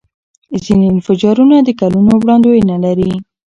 ځینې انفجارونه د کلونو وړاندوینه لري.